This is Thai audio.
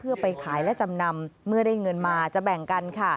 เพื่อไปขายและจำนำเมื่อได้เงินมาจะแบ่งกันค่ะ